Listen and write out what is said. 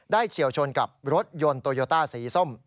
เฉียวชนกับรถยนต์โตโยต้าสีส้ม